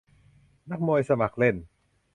นักมวยสมัครเล่น